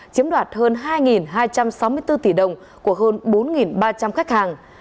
chiếm đoạt hơn hai hai trăm sáu mươi bốn tỷ đồng của hơn bốn ba trăm linh khách hàng